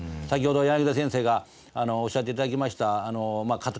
先ほど柳田先生がおっしゃっていただきましたまあ